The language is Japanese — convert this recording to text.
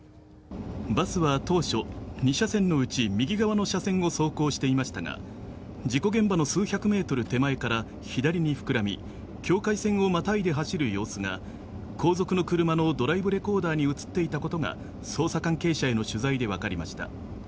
バスは当初２車線のうち右側の車線を走行していましたが事故現場の数百ｍ手前から左に膨らみ境界線をまたいで走る様子が後続の車のドライブレコーダーに映っていたことが捜査関係者への取材で分かりました。